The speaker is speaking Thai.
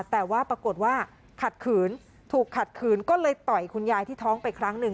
แต่ว่าปรากฏว่าขัดขืนถูกขัดขืนก็เลยต่อยคุณยายที่ท้องไปครั้งหนึ่ง